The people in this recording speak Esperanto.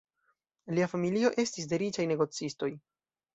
Lia familio estis de riĉaj negocistoj.